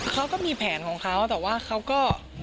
เขาก็มีแผนของเขาแต่ว่าเขาก็